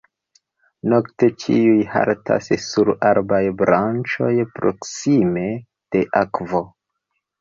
Nokte ĉiuj haltas sur arbaj branĉoj proksime de akvo.